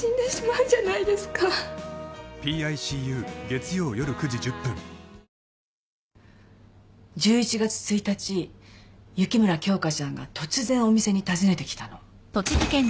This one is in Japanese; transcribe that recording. １１月１日雪村京花ちゃんが突然お店に訪ねてきたの。